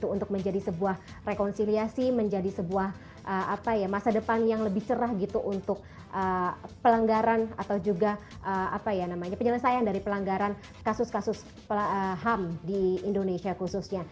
untuk menjadi sebuah rekonsiliasi menjadi sebuah masa depan yang lebih cerah gitu untuk pelanggaran atau juga penyelesaian dari pelanggaran kasus kasus ham di indonesia khususnya